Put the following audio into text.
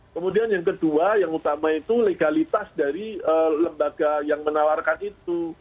kemudian yang kedua yang utama itu legalitas dari lembaga yang menawarkan itu